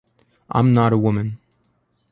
I'm not a woman.